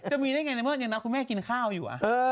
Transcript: จะมีได้ยังไงในวันนี้คุณแม่กินข้าวอยู่